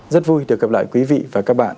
rất vui được gặp lại quý vị và các bạn